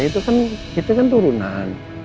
itu kan itu kan turunan